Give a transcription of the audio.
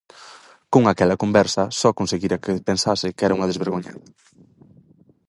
Con aquela conversa só conseguira que pensase que era unha desvergoñada...